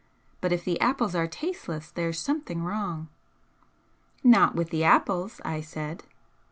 But if the apples are tasteless there's something wrong." "Not with the apples," I said.